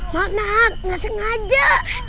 maaf maaf gak sengaja